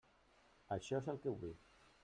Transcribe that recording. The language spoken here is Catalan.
Això és el que vull.